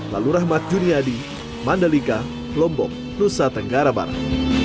lalu rahmat juniadi mandalika lombok nusa tenggara barat